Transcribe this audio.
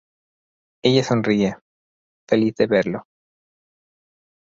Ella sonríe, feliz de verlo.